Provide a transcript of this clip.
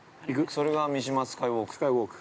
◆それが三島スカイウォーク◆スカイウォーク。